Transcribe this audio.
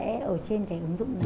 cũng sẽ ở trên cái ứng dụng này luôn